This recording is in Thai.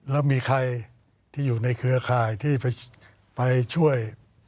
แล้วมีใครที่อยู่ในเครือข่ายที่ไปช่วย